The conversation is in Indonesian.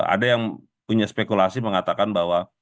ada yang punya spekulasi mengatakan bahwa